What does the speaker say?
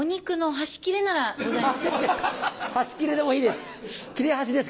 端切れでもいいです。